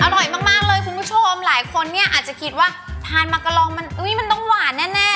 อร่อยมากเลยคุณผู้ชมหลายคนเนี่ยอาจจะคิดว่าทานมะกะลองมันต้องหวานแน่